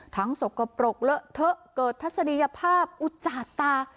สกปรกเลอะเทอะเกิดทัศนียภาพอุจจาตา